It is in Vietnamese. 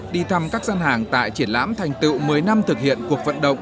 đi thăm các gian hàng tại triển lãm thành tựu một mươi năm thực hiện cuộc vận động